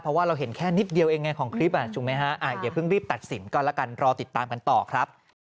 เพราะว่าเราเห็นนิดเดียวของคลิปสิถึงไหมครับ